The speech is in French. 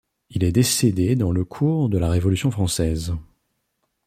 Il est décédé dans le cours de la Révolution française.